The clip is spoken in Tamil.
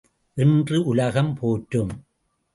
என்று உலகம் போற்றும்.